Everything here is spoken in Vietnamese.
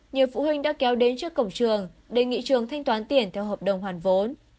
nhiều phụ huynh đã kéo đến trước cổng trường đề nghị trường thanh toán tiền theo hợp đồng hoàn vốn